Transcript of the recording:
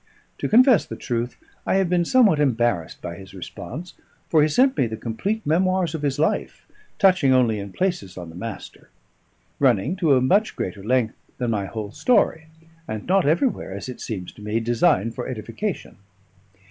To confess the truth, I have been somewhat embarrassed by his response; for he sent me the complete memoirs of his life, touching only in places on the Master; running to a much greater length than my whole story, and not everywhere (as it seems to me) designed for edification.